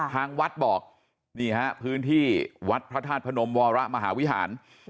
ทางวัดบอกนี่ฮะพื้นที่วัดพระธาตุพนมวรมหาวิหาร